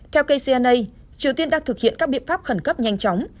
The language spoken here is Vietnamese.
theo kcna triều tiên đang thực hiện các biện pháp khẩn cấp nhanh chóng